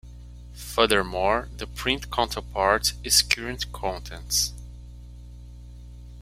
Furthermore, the print counterpart is Current Contents.